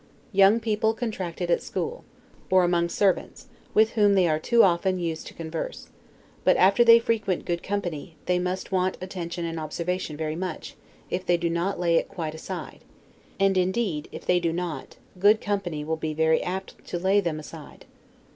Young people contract it at school, or among servants, with whom they are too often used to converse; but after they frequent good company, they must want attention and observation very much, if they do not lay it quite aside; and, indeed, if they do not, good company will be very apt to lay them aside.